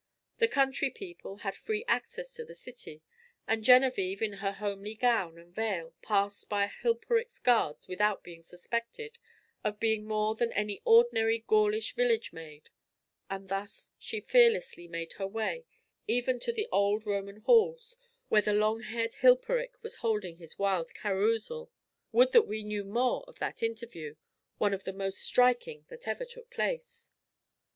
The country people had free access to the city, and Genevičve in her homely gown and veil passed by Hilperik's guards without being suspected of being more than any ordinary Gaulish village maid; and thus she fearlessly made her way, even to the old Roman halls, where the long haired Hilperik was holding his wild carousal. Would that we knew more of that interview one of the most striking that ever took place!